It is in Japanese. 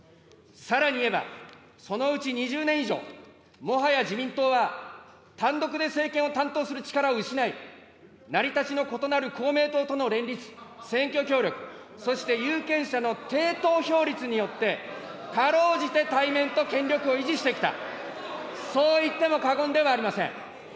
さらに言えば、そのうち２０年以上、もはや自民党は単独で政権を担当する力を失い、成り立ちの異なる公明党との連立、選挙協力、そして有権者の低投票率によって、かろうじて体面と権力を維持してきた、そう言っても過言ではありません。